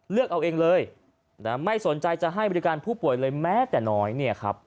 เลือกเอาเองเลยไม่สนใจจะให้บริการผู้ป่วยเลยแม้แต่น้อยเนี่ยครับ